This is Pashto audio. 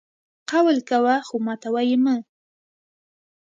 قول کوه خو ماتوه یې مه!